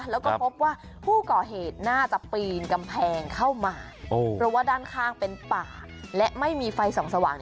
แล้วก็พบว่าผู้ก่อเหตุน่าจะปีนกำแพงเข้ามาเพราะว่าด้านข้างเป็นป่าและไม่มีไฟส่องสว่าง